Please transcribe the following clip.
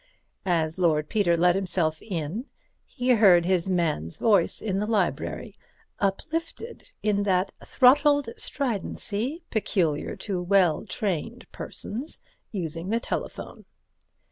As Lord Peter let himself in he heard his man's voice in the library, uplifted in that throttled stridency peculiar to well trained persons using the telephone.